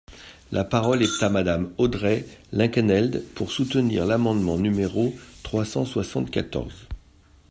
La parole est à Madame Audrey Linkenheld, pour soutenir l’amendement numéro trois cent soixante-quatorze.